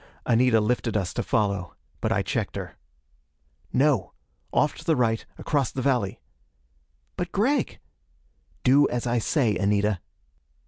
Anita lifted us to follow. But I checked her. "No! Off to the right, across the valley." "But Gregg!" "Do as I say, Anita."